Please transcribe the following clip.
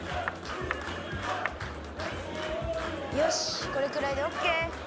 よしこれくらいでオッケー。